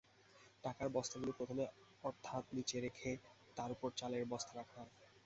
টাকার বস্তাগুলো প্রথমে অর্থাত্ নিচে রেখে তার ওপর চালের বস্তা রাখা হয়।